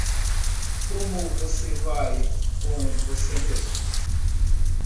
Como você vai com você mesmo?